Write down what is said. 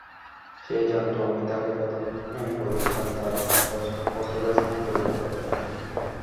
সে জানতো, আমি তাকে প্রথমেই বলেছিলাম তার প্রসবের সময় জটিলতা হবে।